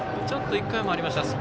ちょっと１回もありました